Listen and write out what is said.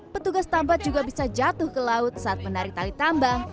petugas tambat juga bisa jatuh ke laut saat menarik tali tambang